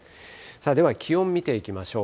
では気温見ていきましょう。